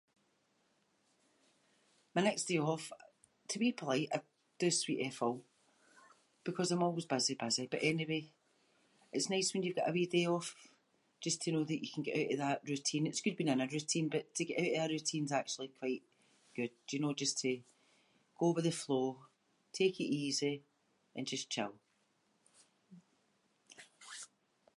My next day off to be polite I’d do sweet F all. Because I’m always busy busy but anyway, it’s nice when you’ve got a wee day off just to know that you can get oot of that routine. It’s good being in a routine but to get oot of a routine is actually quite good, you know, just to go with the flow, take it easy and just chill.